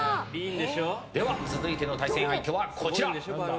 では続いての対戦相手はこちら。